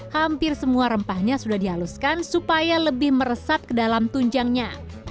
hampir semua rempahnya sudah dihaluskan supaya lebih meresap ke dalam tunjangnya